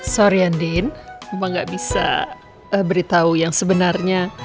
sorry ya din emang gak bisa beritahu yang sebenarnya